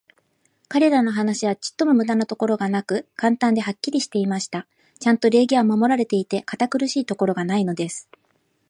彼等の話は、ちょっとも無駄なところがなく、簡単で、はっきりしていました。ちゃんと礼儀は守られていて、堅苦しいところがないのです。